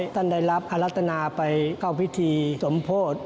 ท่านได้รับอรัตนาไปเข้าพิธีสมโพธิ